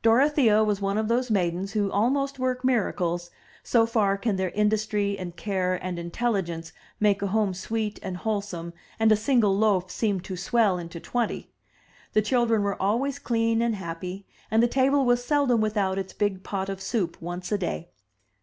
Dorothea was one of those maidens who almost work miracles, so far can their industry and care and intelligence make a home sweet and wholesome and a single loaf seem to swell into twenty. The children were always clean and happy, and the table was seldom without its big pot of soup once a day.